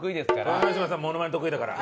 豊ノ島さんモノマネ得意だから。